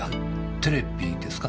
テレビですか？